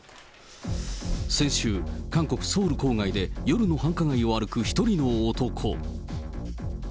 先週、韓国・ソウル郊外で夜の繁華街を歩く１人の男。